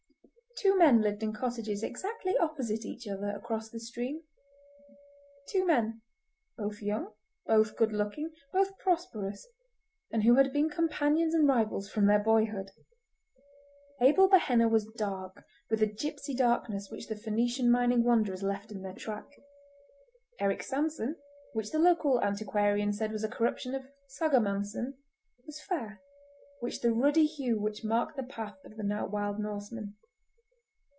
Two men lived in cottages exactly opposite each other across the stream. Two men, both young, both good looking, both prosperous, and who had been companions and rivals from their boyhood. Abel Behenna was dark with the gypsy darkness which the Phœnician mining wanderers left in their track; Eric Sanson—which the local antiquarian said was a corruption of Sagamanson—was fair, with the ruddy hue which marked the path of the wild Norseman.